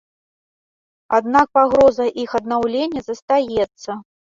Аднак пагроза іх аднаўлення застаецца.